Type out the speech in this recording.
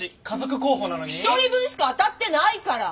１人分しか当たってないから。